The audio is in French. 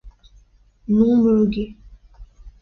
Non homologué.